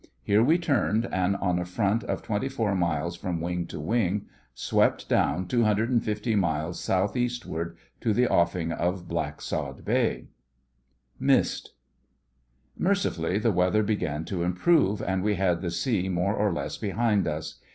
Here we turned, and, on a front of twenty four miles from wing to wing, swept down 250 miles South eastward to the offing of Blacksod Bay. 'MISSED!' Mercifully the weather began to improve, and we had the sea more or less behind us.